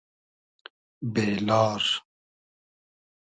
بې لار